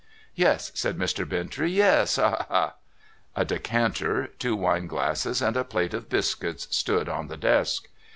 ' Yes,' said Mr. Bintrey. * Yes. Ha, ha !' A decanter, two wine glasses, and a plate of biscuits, stood on the desk.